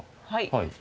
はい。